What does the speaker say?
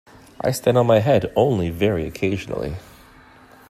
I stand on my head only very occasionally.